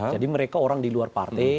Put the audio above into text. jadi mereka orang di luar partai